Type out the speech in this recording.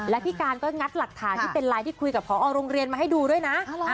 และพี่การก็งัดหลักฐานที่เป็นไลน์ที่คุยกับพอโรงเรียนมาให้ดูด้วยนะ